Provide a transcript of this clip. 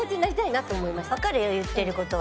わかるよ言ってる事は。